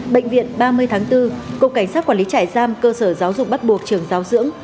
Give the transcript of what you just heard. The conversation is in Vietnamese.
bệnh viện ba mươi tháng bốn cục cảnh sát quản lý trại giam cơ sở giáo dục bắt buộc trường giáo dưỡng